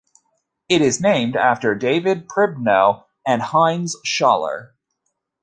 It is named after David Pribnow and Heinz Schaller.